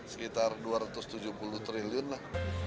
sekitar dua ratus tujuh puluh triliun lah